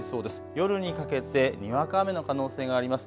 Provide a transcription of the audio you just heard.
夜にかけてにわか雨の可能性があります。